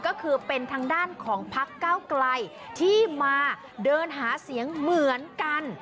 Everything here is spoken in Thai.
ก็คือเป็นทางด้านของพักเก้าไกลที่มาเดินหาเสียงเหมือนกัน